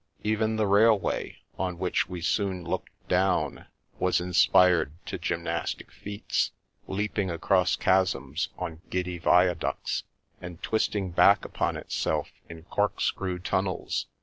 Even the railway, on which we soon looked down, was inspired to gymnastic feats, leaping across chasms on giddy viaducts, and twisting back upon itself in corkscrew tunnels.